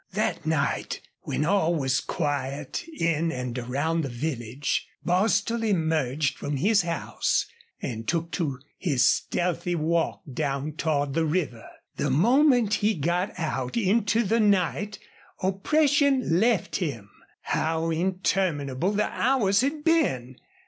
That night when all was quiet in and around the village Bostil emerged from his house and took to his stealthy stalk down toward the river. The moment he got out into the night oppression left him. How interminable the hours had been!